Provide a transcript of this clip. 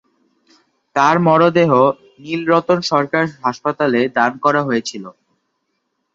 তার মরদেহ নীলরতন সরকার হাসপাতালে দান করা হয়েছিল।